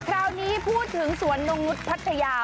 คราวนี้พูดถึงสวนนงนุษย์พัทยา